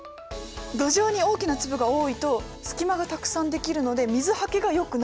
土壌に大きな粒が多いと隙間がたくさんできるので水はけがよくなる。